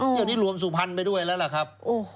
เที่ยวนี้รวมสุพรรณไปด้วยแล้วล่ะครับ